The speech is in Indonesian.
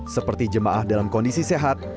seperti jemaah dalam kondisi sehat